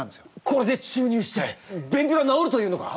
これで注入してべんぴが治るというのか？